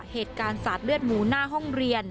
เหตุการณ์สาดเลือดหมูหน้าห้องเรียน